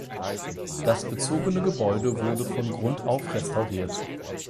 Das bezogene Gebäude wurde von Grund auf restauriert.